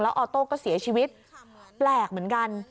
ออโต้ก็เสียชีวิตแปลกเหมือนกัน